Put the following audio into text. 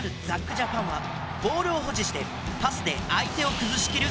ジャパンはボールを保持してパスで相手を崩しきる